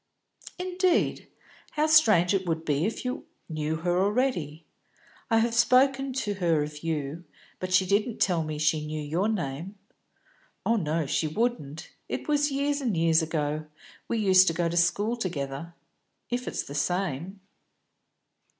"Indeed? How strange it would be if you knew her already. I have spoken to her of you, but she didn't tell me she knew your name." "Oh no, she wouldn't. It was years and years ago. We used to go to school together if it's the same."